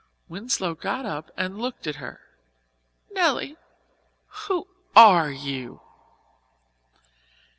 Winslow got up and looked at her. "Nelly, who are you?"